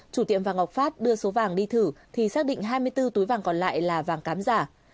chủ tiệm vàng ngọc phát đưa số vàng đi thử thì xác định hai mươi bốn túi vàng còn lại là vàng cám giả